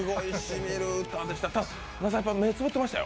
めっちゃ目、つぶってましたよ。